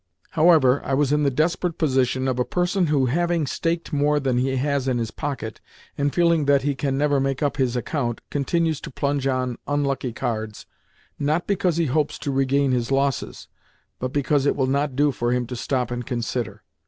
However, I was in the desperate position of a person who, having staked more than he has in his pocket, and feeling that he can never make up his account, continues to plunge on unlucky cards—not because he hopes to regain his losses, but because it will not do for him to stop and consider.